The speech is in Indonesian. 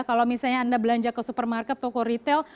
kalau misalnya anda belanja ke supermarket toko retail